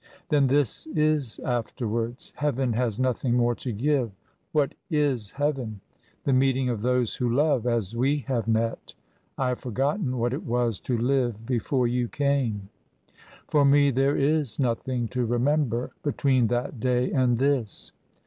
"Then this is afterwards. Heaven has nothing more to give. What is Heaven? The meeting of those who love as we have met. I have forgotten what it was to live before you came " "For me, there is nothing to remember between that day and this."